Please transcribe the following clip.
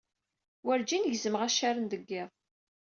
Werǧin gezmeɣ accaren deg yiḍ.